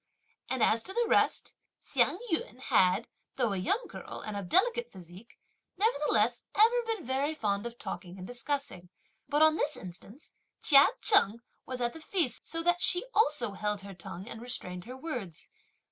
And as to the rest, Hsiang yün had, though a young girl, and of delicate physique, nevertheless ever been very fond of talking and discussing; but, on this instance, Chia Cheng was at the feast, so that she also held her tongue and restrained her words.